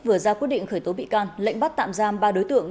vừa ra quyết định khởi tố bị can lệnh bắt tạm giam ba đối tượng